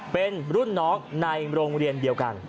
เป็นรุ่นน้องในโรงเรียนเดียวกัน